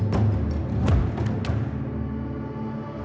sampah apk di ruling facts